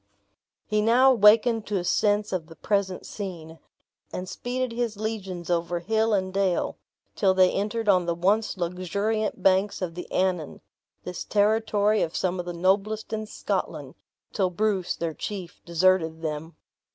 He now awakened to a sense of the present scene, and speeded his legions over his and dale, till they entered on the once luxuriant banks of the Annan this territory of some of the noblest in Scotland, till Bruce, their chief, deserted them.